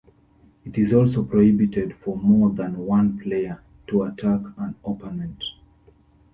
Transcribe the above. It is also prohibited for more than one player to attack an opponent.